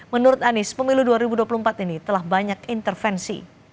menurut anies pemilu dua ribu dua puluh empat ini telah banyak intervensi